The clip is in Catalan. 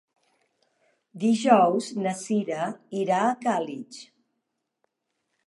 Dijous na Sira irà a Càlig.